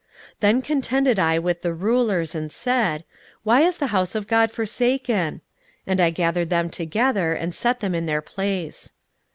16:013:011 Then contended I with the rulers, and said, Why is the house of God forsaken? And I gathered them together, and set them in their place.